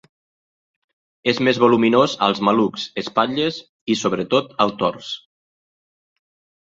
És més voluminós als malucs, espatlles i sobretot al tors.